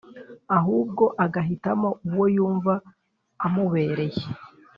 ahubwo agahitamo uwo yumva amubereye